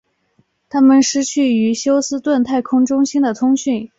他们失去与休斯顿太空中心的通讯。